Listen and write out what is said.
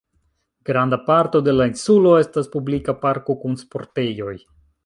Granda parto de la insulo estas publika parko kun sportejoj.